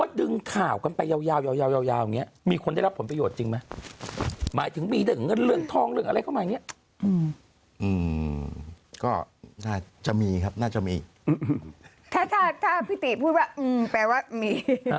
ก็ดึงข่าวกันไปยาวอย่างเงี้ยมีคนรับผลประโยชน์จริงไหมก็จะมีครับแบบนี้